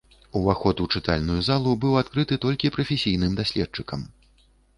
Уваход у чытальную залу быў адкрыты толькі прафесійным даследчыкам.